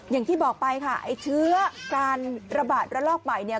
อย่างที่บอกไปค่ะไอ้เชื้อการระบาดระลอกใหม่เนี่ย